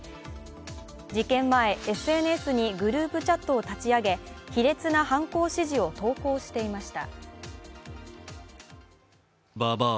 事件前、ＳＮＳにグループチャットを立ち上げ卑劣な犯行指示を投稿していました。